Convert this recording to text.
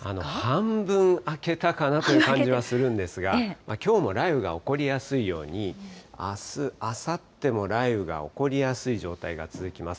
半分明けたかなという感じはするんですが、きょうも雷雨が起こりやすいように、あす、あさっても雷雨が起こりやすい状態が続きます。